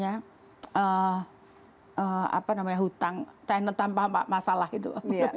di ajarkan bagaimana dengan apa namanya hutang tainan tanpa masalah gitu